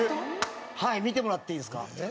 見てもらっていいですか？